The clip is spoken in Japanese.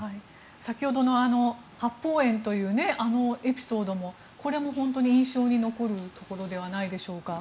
先ほどの八芳園というあのエピソードもこれも本当に印象に残るところではないでしょうか。